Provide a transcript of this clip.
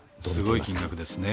すごい金額ですね。